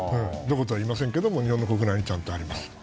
どことは言いませんが日本の国内にちゃんとあります。